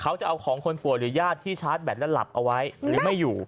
เขาจะเอาของคนป่วยหรือญาติที่ชาร์จแบตและหลับเอาไว้หรือไม่อยู่